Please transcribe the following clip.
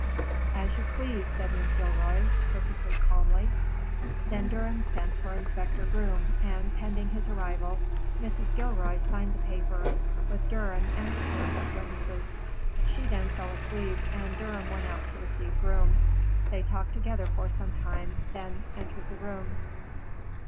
"As you please," said Mrs. Gilroy, perfectly calmly. Then Durham sent for Inspector Groom, and, pending his arrival, Mrs. Gilroy signed the paper, with Durham and the clerk as witnesses. She then fell asleep, and Durham went out to receive Groom. They talked together for some time, then entered the room.